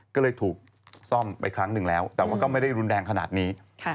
ก็เลยถูกซ่อมไปครั้งหนึ่งแล้วแต่ว่าก็ไม่ได้รุนแรงขนาดนี้